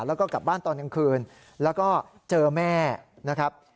แล้วก็กลับบ้านตอนกลางคืนแล้วก็เจอแม่นะครับ